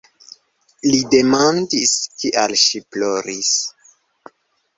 Li demandis, kial ŝi ploris.